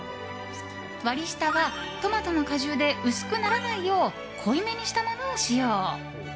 割り下はトマトの果汁で薄くならないよう濃い目にしたものを用意。